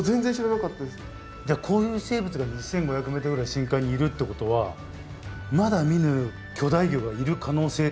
じゃあこういう生物が２，５００ｍぐらいの深海にいるってことはまだ見ぬ巨大魚がいる可能性っていうのは？